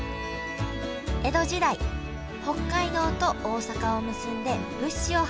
江戸時代北海道と大阪を結んで物資を運んだ北前船